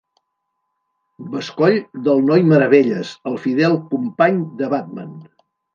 Bescoll del Noi Meravelles, el fidel company de Batman.